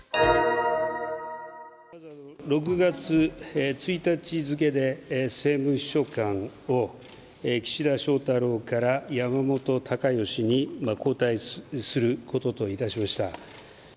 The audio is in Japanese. ６月１日付で政務秘書官を岸田翔太郎から山本高義に交代することといたしました。